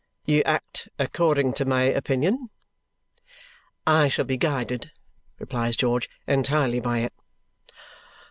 "You act according to my opinion?" "I shall be guided," replies George, "entirely by it."